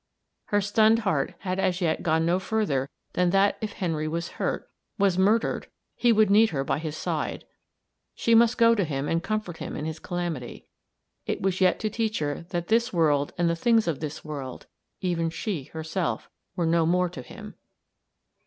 Her stunned heart had as yet gone no further than that if Henry was hurt, was murdered, he would need her by his side. She must go to him and comfort him in his calamity. It was yet to teach her that this world and the things of this world even she, herself, were no more to him.